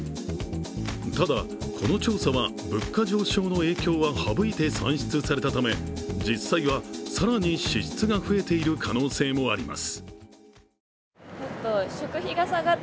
ただ、この調査は物価上昇の影響は省いて算出されたため、実際は更に支出が増えている可能性もあります。